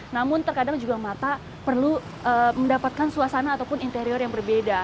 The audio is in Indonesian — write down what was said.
namun terkadang juga mata perlu mendapatkan suasana ataupun interior yang berbeda